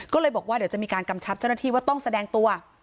ก็เลยบอกว่าเดี๋ยวจะมีการกำชับเจ้าหน้าที่ว่าต้องแสดงตัว